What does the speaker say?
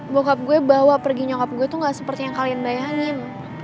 bokap gue bawa pergi nyokap gue tuh gak seperti yang kalian bayangin